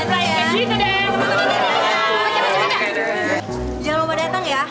ada undangan ada undangan